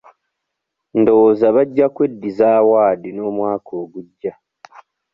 Ndowooza bajja kweddiza awaadi n'omwaka ogujja.